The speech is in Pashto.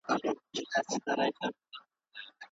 هغه د ښځو په اړه ارقام راټول کړل.